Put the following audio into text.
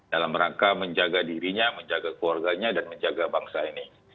dalam rangka menjaga dirinya menjaga keluarganya dan menjaga bangsa ini